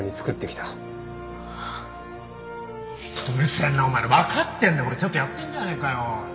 うるせぇなお前ら分かってんだよちゃんとやってんじゃねえかよ